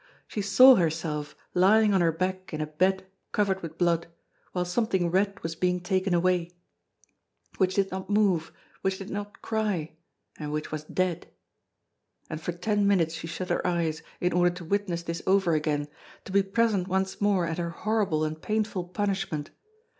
She saw herself lying on her back in a bed covered with blood, while something red was being taken away, which did not move, which did not cry, and which was dead! And for ten minutes she shut her eyes, in order to witness this over again, to be present once more at her horrible and painful punishment.